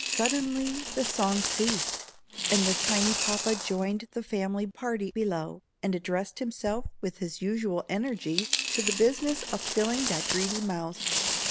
Suddenly the song ceased, and the tiny papa joined the family party below, and addressed himself with his usual energy to the business of filling that greedy mouth.